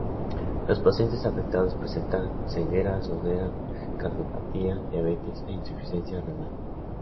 Los pacientes afectados presentan ceguera, sordera, cardiopatía, diabetes e insuficiencia renal.